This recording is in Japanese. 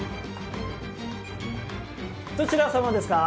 どちら様ですか？